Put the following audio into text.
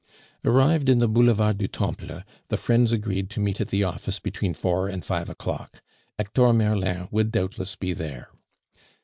Arrived in the Boulevard du Temple, the friends agreed to meet at the office between four and five o'clock. Hector Merlin would doubtless be there.